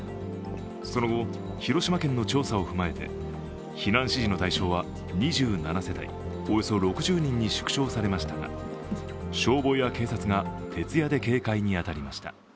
その後、広島県の調査を踏まえて、避難指示の対象は２７世帯、およそ６０人に縮小されましたが消防や警察が徹夜で警戒に当たりました。